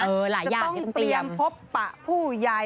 เออหลายอย่างต้องเตรียมจะต้องเตรียมพบปะผู้ใหญ่